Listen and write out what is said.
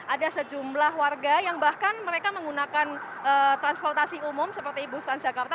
ada sejumlah warga yang bahkan mereka menggunakan transportasi umum seperti bus transjakarta